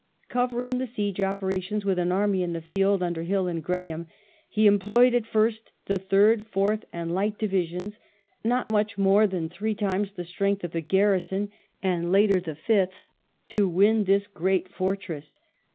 Covering the siege operations with an army in the field under Hill and Graham, he employed, at first, the Third, Fourth, and Light Divisions, not much more than three times the strength of the garrison, and later the Fifth, to win this great fortress.